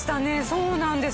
そうなんです。